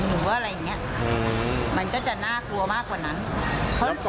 หรือว่าอะไรอย่างเงี้ยมันก็จะน่ากลัวมากกว่านั้น